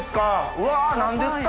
うわ何ですか？